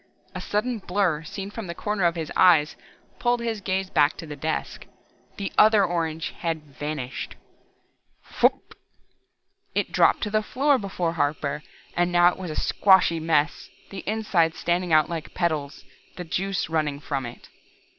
A sudden blur seen from the corner of his eyes pulled his gaze back to the desk. The other orange had vanished. Phwup! It dropped to the floor before Harper, but now it was a squashy mess, the insides standing out like petals, the juice running from it.